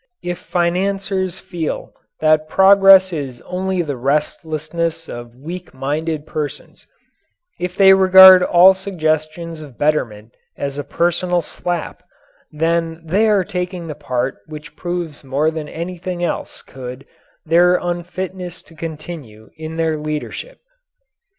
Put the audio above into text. If financiers feel that progress is only the restlessness of weak minded persons, if they regard all suggestions of betterment as a personal slap, then they are taking the part which proves more than anything else could their unfitness to continue in their leadership.